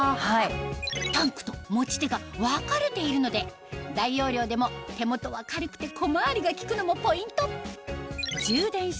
タンクと持ち手が分かれているので大容量でも手元は軽くて小回りが利くのもポイント